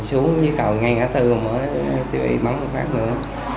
xuống dưới cầu ngay ngã thương tp bắn một phát nữa